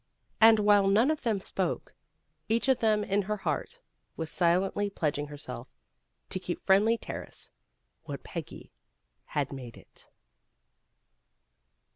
And while none of them spoke, each of them in her heart was silently pledging herself to keep Friendly Terrace what Peggy had made it.